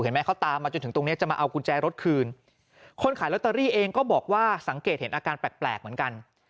เขาตามมาจนถึงตรงเนี้ยจะมาเอากุญแจรถคืนคนขายลอตเตอรี่เองก็บอกว่าสังเกตเห็นอาการแปลกเหมือนกัน